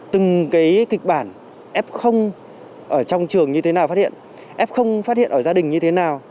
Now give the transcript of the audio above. từng cái kịch bản f ở trong trường như thế nào phát hiện f không phát hiện ở gia đình như thế nào